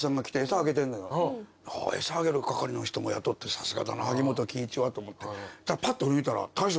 餌あげる係の人も雇ってさすがだな萩本欽一はと思って。